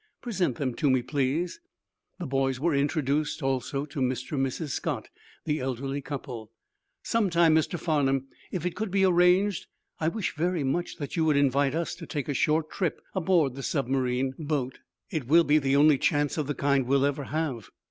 Present them to me, please." The boys were introduced, also, to Mr. and Mrs. Scott, the elderly couple. "Some time, Mr. Farnum, if it could be arranged, I wish very much that you would invite us to take a short trip aboard the submarine boat. It will be the only chance of the kind we'll ever have."